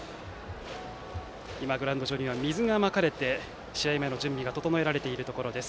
グラウンド上には水がまかれて試合前の準備が整えられています。